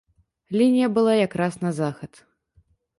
Лінія была якраз на захад.